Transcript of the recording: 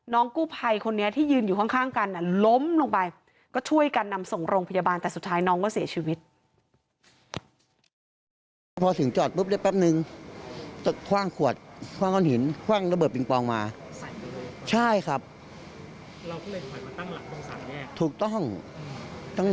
กู้ภัยคนนี้ที่ยืนอยู่ข้างกันล้มลงไปก็ช่วยกันนำส่งโรงพยาบาลแต่สุดท้ายน้องก็เสียชีวิต